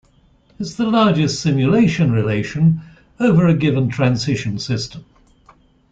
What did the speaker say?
It is the largest simulation relation over a given transition system.